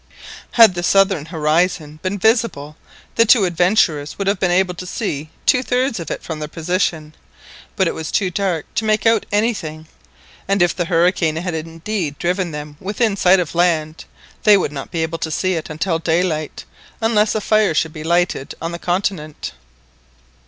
Had the southern horizon been visible the two adventurers would have been able to see two thirds of it from their position; but it was too dark to make out anything, and if the hurricane had indeed driven them within sight of land, they would not be able to see it until daylight, unless a fire should be lighted on the continent.